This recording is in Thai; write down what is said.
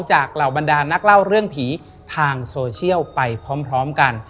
เหล่าบรรดานักเล่าเรื่องผีทางโซเชียลไปพร้อมกัน